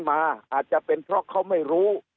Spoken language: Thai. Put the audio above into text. อาจจะเป็นเพราะเขาไม่รู้